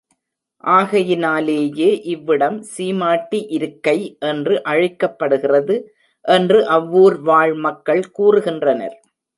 ஆகையினாலேயே இவ்விடம் சீமாட்டி இருக்கை என்று அழைக்கப்படுகிறது என்று அவ்வூர் வாழ் மக்கள் கூறுகின்றனர்.